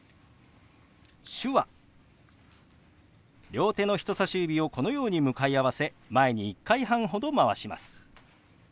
両手の人さし指をこのように向かい合わせ前に１回半ほどまわします。